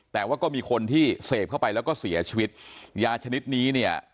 แต่ว่าก็มีคนที่เสพเข้าไปแล้วก็เสียชีวิตยาชนิดนี้เนี่ย